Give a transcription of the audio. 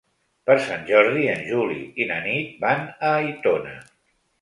Per Sant Jordi en Juli i na Nit van a Aitona.